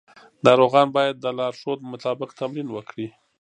ناروغان باید د لارښود مطابق تمرین وکړي.